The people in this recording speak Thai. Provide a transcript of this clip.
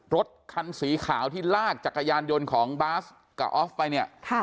รถคันสีขาวที่ลากจักรยานยนต์ของบาสกับออฟไปเนี่ย